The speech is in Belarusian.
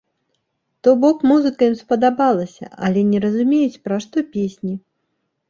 То бок музыка ім спадабалася, але не разумеюць, пра што песні.